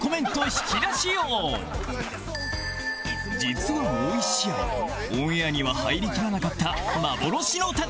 実はもう１試合オンエアには入りきらなかった幻の戦いが